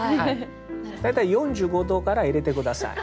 大体４５度から入れて下さい。